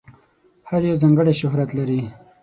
هر یو ځانګړی شهرت لري.